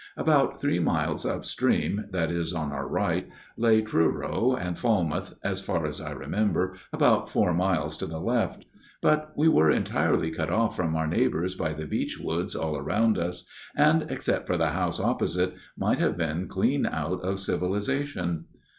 About three miles up stream that is, on our right lay Truro, and Falmouth, as far as I remember, about four miles to the left. But we were entirely cut off from our neighbours by the beechwoods all round us, and, except for the house opposite, might have been clean out of civilization."